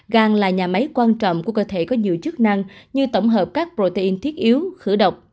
gan là nhà máy quan trọng của cơ thể có nhiều chức năng như tổng hợp các protein thiết yếu khử độc